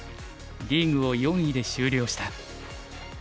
リーグを４位で終了した。